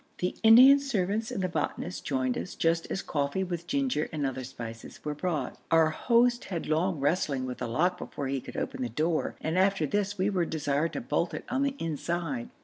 The Indian servants and the botanist joined us just as coffee with ginger and other spices were brought. Our host had long wrestling with the lock before he could open the door, and after this we were desired to bolt it on the inside.